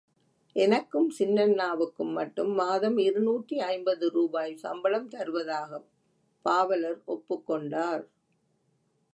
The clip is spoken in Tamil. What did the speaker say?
எனக்கும் சின்னண்ணாவுக்கும் மட்டும் மாதம் இருநூற்றி ஐம்பது ரூபாய் சம்பளம் தருவதாகப் பாவலர் ஒப்புக் கொண்டார்.